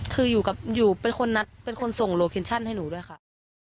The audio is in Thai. คืออยู่เป็นคนนัดเป็นคนส่งโลเคชั่นให้หนูด้วยค่ะ